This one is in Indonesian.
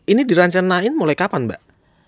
ini dirancanain mulai kapan mbak